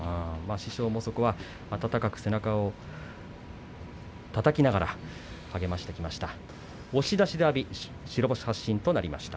師匠もここは温かく背中をたたきながら励ましながら、ここまできました。